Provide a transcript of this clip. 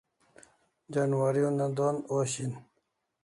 Janwari una don osh hin